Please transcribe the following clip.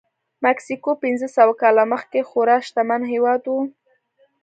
مکسیکو پنځه سوه کاله مخکې خورا شتمن هېواد و.